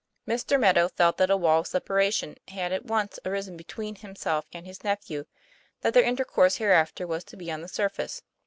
Mr. Meadow felt that a wall of separation had at once arisen between himself and his nephew; that their intercourse hereafter was to be on the surface.